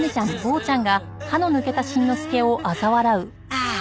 ああ。